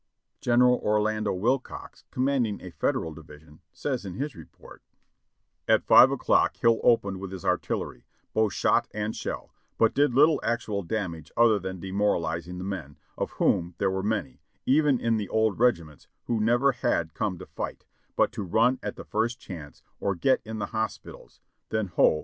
{Ibid, Vol. 36, p. 235.) General Orlando Wilcox, commanding a Federal division, says in his report : "At 5 o'clock Hill opened with his artillery, both shot and shell, but did little actual damage other than demoralizing the men, of whom there were many, even in the old regiments, who never had come to fight, but to run at the first chance, or get in the hospitals, then Ho!